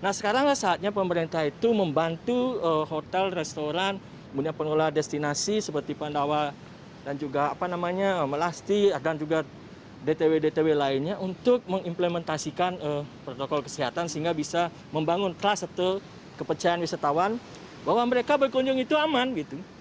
nah sekarang ya saatnya pemerintah itu membantu hotel restoran kemudian pengelola destinasi seperti pandawa dan juga melasti dan juga dtw dtw lainnya untuk mengimplementasikan protokol kesehatan sehingga bisa membangun kelas atau kepercayaan wisatawan bahwa mereka berkunjung itu aman gitu